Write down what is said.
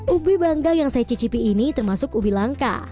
ubi bangga yang saya cicipi ini termasuk ubi langka